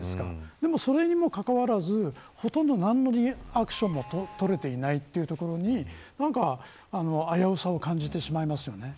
でも、それにもかかわらずほとんど何のアクションも取れていないというところに何か危うさを感じてしまいますよね。